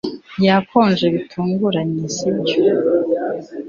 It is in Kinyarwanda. Byakonje bitunguranye sibyo